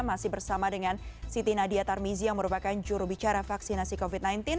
masih bersama dengan siti nadia tarmizi yang merupakan jurubicara vaksinasi covid sembilan belas